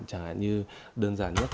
chẳng hạn như đơn giản nhất